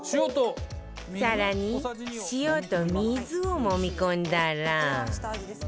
更に塩と水をもみ込んだら